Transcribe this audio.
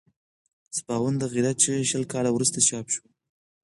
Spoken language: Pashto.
سباوون د غیرت چغې شل کاله وروسته چاپ شوه.